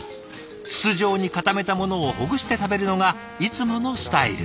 筒状に固めたものをほぐして食べるのがいつものスタイル。